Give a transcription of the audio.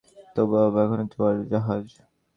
ছেলেকে দেখাইয়া বলিল, দেখেচিস অপু, একখানা ধোঁয়ার জাহাজ?